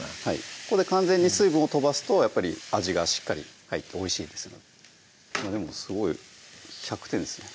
ここで完全に水分を飛ばすとやっぱり味がしっかり入っておいしいですのででもすごい１００点ですね